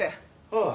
ああ。